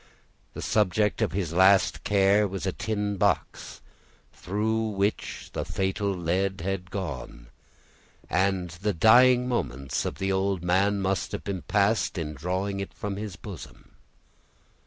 The subject of his last care was a tin box, through which the fatal lead had gone; and the dying moments of the old man must have passed in drawing it from his bosom.